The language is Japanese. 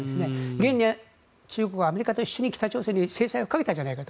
現に中国はアメリカと一緒に北朝鮮に制裁を吹っかけたじゃないかと。